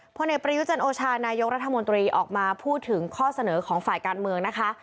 พลเอกประยุจันโอชานายกรัฐมนตรีออกมาพูดถึงข้อเสนอของฝ่ายการเมืองนะคะ